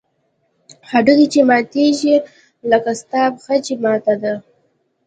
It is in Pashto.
هډوکى چې ماتېږي لکه ستا پښه چې ماته ده.